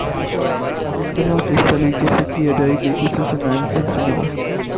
اختلاف اس سلیقے سے کیا جائے کہ کسی سے ناانصافی نہ ہو۔